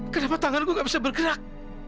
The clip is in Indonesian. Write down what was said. kenapa tanganku gak bisa bergerak